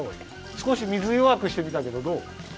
すこし水よわくしてみたけどどう？